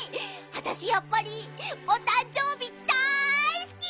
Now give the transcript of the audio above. あたしやっぱりおたんじょうびだいすき！